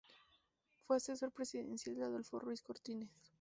Fue asesor presidencial de Adolfo Ruiz Cortines.